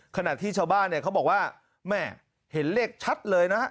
ขณะที่ชาวบ้านเขาบอกว่าเห็นเลขชัดเลยนะ